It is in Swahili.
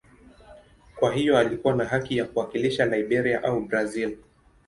Kwa hiyo alikuwa na haki ya kuwakilisha Liberia au Brazil.